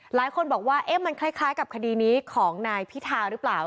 หลายคนบอกว่ามันคล้ายกับคดีนี้ของนายพิธาหรือเปล่า